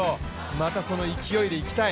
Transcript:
またその勢いでいきたい。